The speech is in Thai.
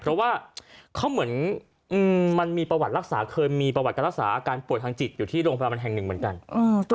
เพราะว่าเขาเหมือนมันมีประวัติรักษาเคยมีประวัติการรักษาอาการป่วยทางจิตอยู่ที่โรงพยาบาลแห่งหนึ่งเหมือนกัน